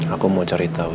aku mau cari tahu